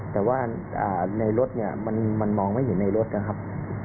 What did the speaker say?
แต่ว่าในรถเนี่ยมันมองไม่เห็นในรถนะครับ